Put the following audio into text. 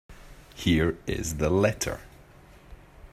Here is the letter.